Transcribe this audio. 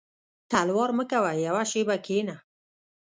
•تلوار مه کوه یو شېبه کښېنه.